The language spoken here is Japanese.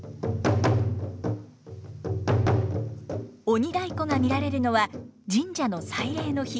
鬼太鼓が見られるのは神社の祭礼の日。